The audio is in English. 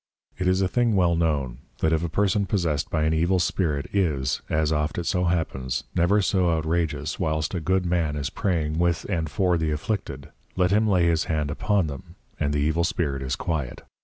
_ It is a thing well known, that if a person possessed by an Evil Spirit, is (as oft it so happens) never so outragious whilst a good man is Praying with and for the Afflicted, let him lay his hand on them, and the Evil Spirit is quiet.